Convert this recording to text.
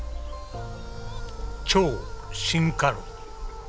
「超・進化論」。